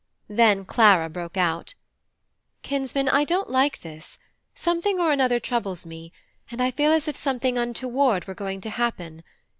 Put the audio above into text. Then Clara broke out: "Kinsman, I don't like this: something or another troubles me, and I feel as if something untoward were going to happen.